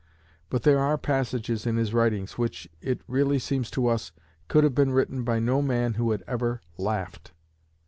But there are passages in his writings which, it really seems to us, could have been written by no man who had ever laughed.